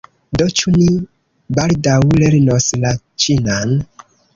Do ĉu ni baldaŭ lernos la ĉinan?